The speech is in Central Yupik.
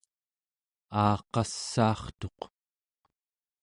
aaqassaartuq